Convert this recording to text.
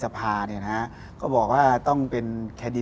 พี่มบอกแน่ใจ